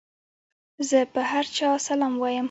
زه پر هر چا سلام وايم.